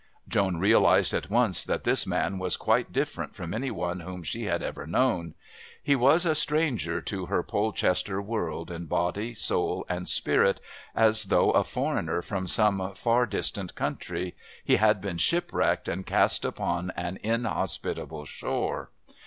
Joan realised at once that this man was quite different from any one whom she had ever known. He was a stranger to her Polchester world in body, soul and spirit, as though, a foreigner from some far distant country, he had been shipwrecked and cast upon an inhospitable shore.